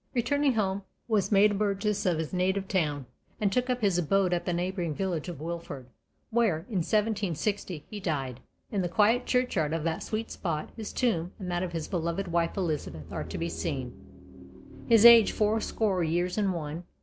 Returning home, he was made a Burgess of his native town, and took up his abode at the neighbouring village of Wilford, where, in 1760, he died. In the quiet churchyard of that sweet spot, his tomb and that of his beloved wife Elizabeth are to be seen: "His age, fourscore years and one."